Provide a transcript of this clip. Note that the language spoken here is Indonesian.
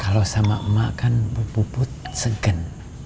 kalo sama emak kan pupuput segen